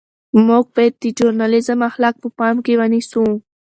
موږ باید د ژورنالیزم اخلاق په پام کې ونیسو.